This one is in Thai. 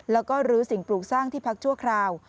แล้วก็ลื้อสิ่งปลูกสร้างที่พักชั่วคราว